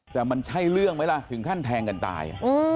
แต่มันใช่เรื่องไหมล่ะถึงขั้นแทงกันตาย